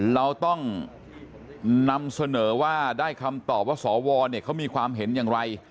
เราต้องนำเสนอว่าได้คำตอบว่าสวเขามีความเห็นอย่างไร